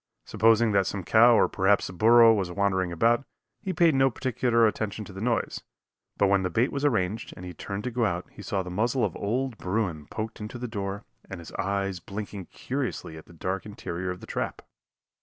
Supposing that some cow or perhaps the burro was wandering about, he paid no particular attention to the noise, but when the bait was arranged and he turned to go out he saw the muzzle of old bruin poked into the door and his eyes blinking curiously at the dark interior of the trap.